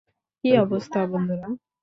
কী অবস্থা, বন্ধুরা?